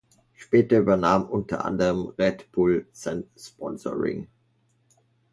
Später übernahm unter anderem Red Bull sein Sponsoring.